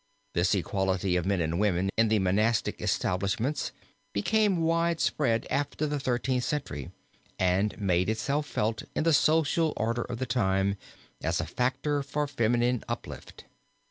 This equality of men and women in the monastic establishments became widespread after the Thirteenth Century and made itself felt in the social order of the time as a factor for feminine uplift.